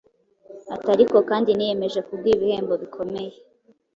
ati «ariko kandi niyemeje kuguha ibihembo bikomeye;